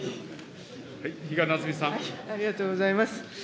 ありがとうございます。